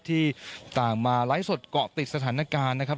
ที่ต่างมาไลฟ์สดเกาะติดสถานการณ์นะครับ